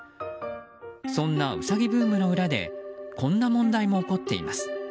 そんなウサギブームの裏でこんな問題も起こっています。